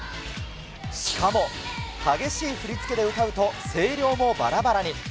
しかも激しい振り付けで歌うと、声量もばらばらに。